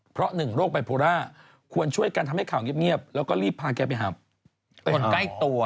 เพราะหนึ่งโรคไบโพล่าควรช่วยกันทำให้ข่าวเงียบแล้วก็รีบพาแกไปหาคนใกล้ตัว